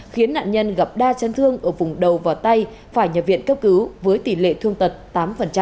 khiến nạn nhân gặp đa chân thương ở vùng đầu và tay phải nhập viện cấp cứu với tỷ lệ thương tật tám